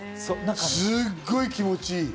すごい気持ち良い。